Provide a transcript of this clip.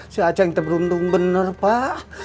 si aceh yang terberuntung benar pak